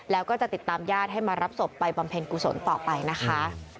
แล้วก็จะติดตามญาติให้มารับศพไปบำเพ็ญกุศลต่อไปนะคะ